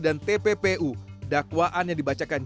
dan tppu dakwaan yang dibacakan